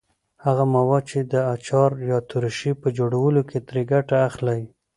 هغه مواد چې د اچار یا ترشۍ په جوړولو کې ترې ګټه اخلئ.